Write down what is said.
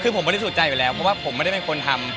คือผมบริสุทธิ์ใจอยู่แล้วเพราะว่าผมไม่ได้เป็นคนทำ